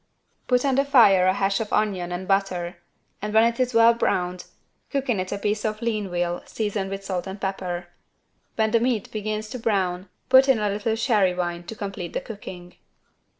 Put on the fire a hash of onion and butter and when it is well browned cook in it a piece of lean veal seasoned with salt and pepper. When the meat begins to brown put in a little sherry wine to complete the cooking.